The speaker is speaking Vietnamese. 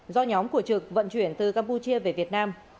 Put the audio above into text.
do nhóm của trực vận chuyển từ campuchia về việt nam